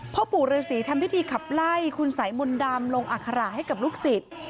พ่อปู่ฤษีทำพิธีขับไล่คุณสายมนต์ดำลงอัคระให้กับลูกศิษย์